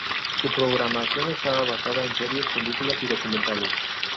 Su programación estaba basada en series, películas y documentales.